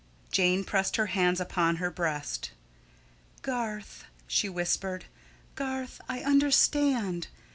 Jane pressed her hands upon her breast. "Garth," she whispered, "Garth, I UNDERSTAND.